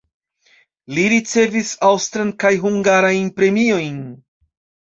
Li ricevis aŭstran kaj hungarajn premiojn.